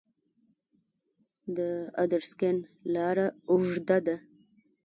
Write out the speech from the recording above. د ادرسکن لاره اوږده ده